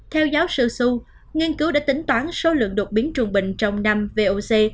theo giáo sư susu nghiên cứu đã tính toán số lượng đột biến trung bình trong năm voc